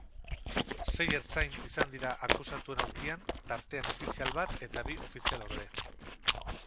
Sei ertzain izan dira akusatuen aulkian, tartean ofizial bat eta bi ofizialorde.